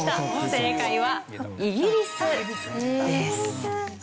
正解はイギリスです。